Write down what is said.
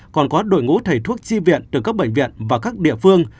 còn có đội ngũ thầy thuốc chi viện từ các bệnh viện và các địa phương